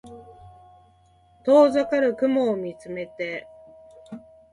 遠ざかる雲を見つめて